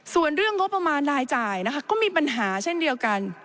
ส่วนเรื่องงบประมาณรายจ่ายนะคะก็มีปัญหาเช่นเดียวกัน